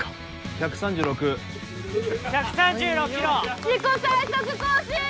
１３６１３６キロ自己最速更新！